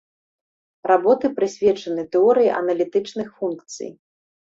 Работы прысвечаны тэорыі аналітычных функцый.